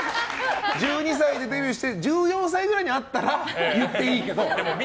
１２歳でデビューして１４歳ぐらいに会ったら言っていいけど。